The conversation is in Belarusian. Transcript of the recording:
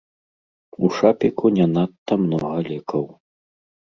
У шапіку не надта многа лекаў.